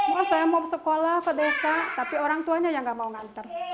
maaf saya mau sekolah ke desa tapi orang tuanya yang nggak mau nganter